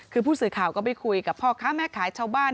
คือผู้สื่อข่าวก็ไปคุยกับพ่อค้าแม่ขายชาวบ้าน